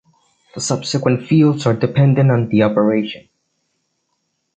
The subsequent fields are dependent on the operation.